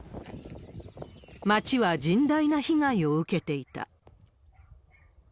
街は甚大な被害を受けていた。